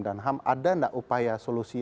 dan ham ada gak upaya solusi